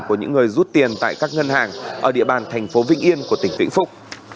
của những người rút tiền tại các ngân hàng ở địa bàn thành phố vĩnh yên của tỉnh vĩnh phúc